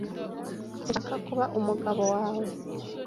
Sinshaka kuba umugabo wawe.